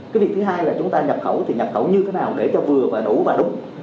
cái việc thứ hai là chúng ta nhập khẩu thì nhập khẩu như thế nào để cho vừa và đủ và đúng